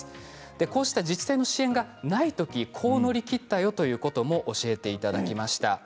こうした自治体の支援がないときこう乗り切ったよということも教えていただきました。